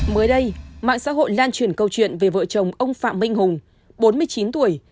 mới đây mạng xã hội lan truyền câu chuyện về vợ chồng ông phạm minh hùng bốn mươi chín tuổi